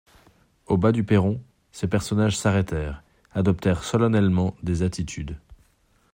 Au bas du perron, ces personnages s'arrêtèrent, adoptèrent solennellement des attitudes.